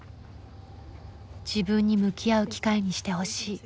自分に向き合う機会にしてほしい。